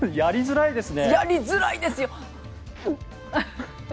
やりづらいですよ。